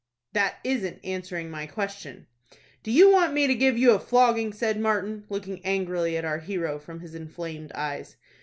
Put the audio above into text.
"That isn't answering my question." "Do you want me to give you a flogging?" asked Martin, looking angrily at our hero from his inflamed eyes.